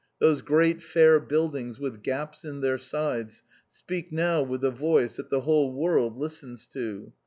Those great fair buildings with gaps in their sides, speak now with a voice that the whole world listens to.